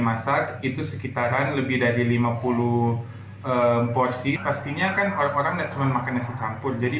masak itu sekitaran lebih dari lima puluh porsi pastinya kan orang orang cuma makan nasi campur jadi